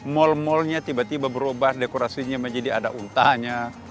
mall mallnya tiba tiba berubah dekorasinya menjadi ada untahnya